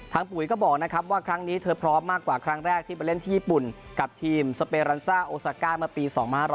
ปุ๋ยก็บอกนะครับว่าครั้งนี้เธอพร้อมมากกว่าครั้งแรกที่ไปเล่นญี่ปุ่นกับทีมสเปรันซ่าโอซาก้าเมื่อปี๒๕๖๐